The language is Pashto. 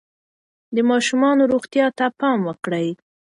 د ماشومانو روغتیا ته پام وکړئ.